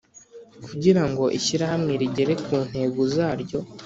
Kugira ngo Ishyirahamwe rigere ku ntego zaryo